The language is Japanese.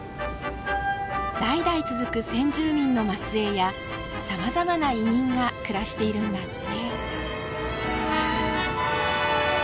代々続く先住民の末えいやさまざまな移民が暮らしているんだって。